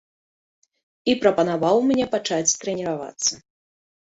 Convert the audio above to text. І прапанаваў мне пачаць трэніравацца.